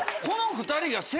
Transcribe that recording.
この２人が。